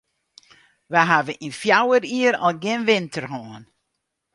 Wy hawwe yn fjouwer jier al gjin winter hân.